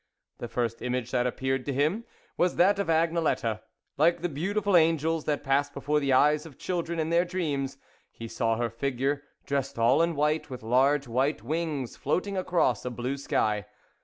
The first image that appeared to him, was that of Agne lette. Like the beautiful angels that pass before the eyes of children in their dreams, he saw her figure, dressed all in white, with large white wings, floating across a blue sky.